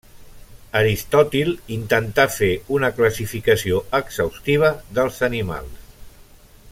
Aristòtil intentà fer una classificació exhaustiva dels animals.